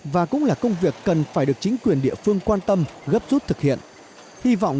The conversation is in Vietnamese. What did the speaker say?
và cũng là công việc cần phải được chính quyền địa phương quan tâm gấp rút thực hiện